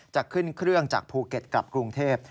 จะขึ้นเครื่องจากภูเก็ตกลับกรุงเทพ